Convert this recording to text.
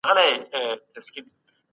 لاسونه باید تل په صابون او اوبو ووینځل شي.